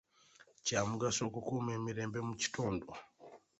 Kya mugaso okukuuma emirembe mu kitundu.